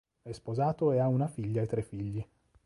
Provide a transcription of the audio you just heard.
È sposato e ha una figlia e tre figli.